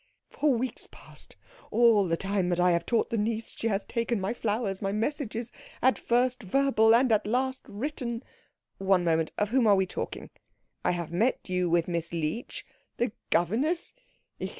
"For weeks past, all the time that I have taught the niece, she has taken my flowers, my messages, at first verbal and at last written " "One moment. Of whom are we talking? I have met you with Miss Leech " "The governess?